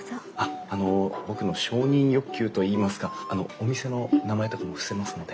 あの僕の承認欲求といいますかあのお店の名前とかも伏せますので。